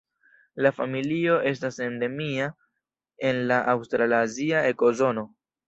La familio estas endemia en la aŭstralazia ekozono.